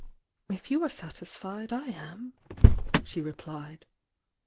"If you are satisfied, I am," she replied.